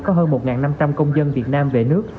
có hơn một năm trăm linh công dân việt nam về nước